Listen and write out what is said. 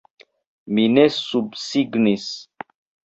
Mi ne subsignis!